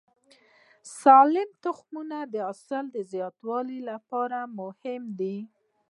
سالم تخمونه د حاصل زیاتوالي لپاره مهم دي.